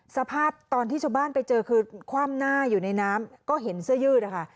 สภาพตอนที่ชาวบ้านไปเจอคือคว่ำหน้าอยู่ในน้ำก็เห็นเสื้อยืดนะคะ